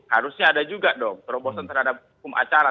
harusnya ada juga dong terobosan terhadap hukum acara